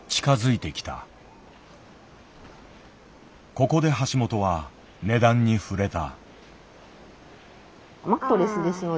ここで橋本は値段に触れた。